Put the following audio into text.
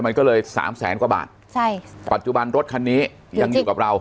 มันก็เลยสามแสนกว่าบาทใช่ปัจจุบันรถคันนี้ยังอยู่กับเรา